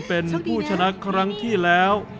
เป็นผู้ชนะครั้งที่แล้ว